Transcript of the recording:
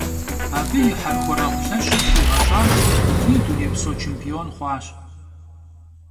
Abı yi herxuereğu lheşır xiğeş'aş yiç'i dunêypso çêmpion xhuaş.